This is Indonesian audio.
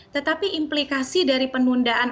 tetapi implikasi dari penundaan